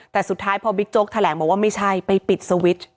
แต่สุดท้ายพอบิ๊กโจ๊กแถลงบอกว่าไม่ใช่ไปปิดสวิตช์